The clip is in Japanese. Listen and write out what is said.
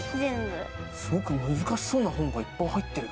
すごく難しそうな本がいっぱい入ってる。